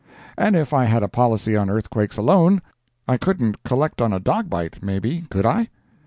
And if I had a policy on earthquakes alone, I couldn't collect on a dog bite, maybe could I?